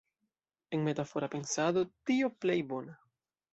En metafora pensado "tio plej bona".